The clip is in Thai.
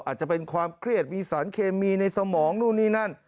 อาจจะเป็นความเครียดมีสารเคมีในสมองนู่นนี่นั่น